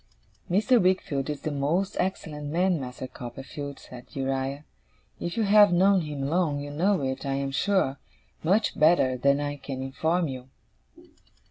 'Mr. Wickfield is a most excellent man, Master Copperfield,' said Uriah. 'If you have known him long, you know it, I am sure, much better than I can inform you.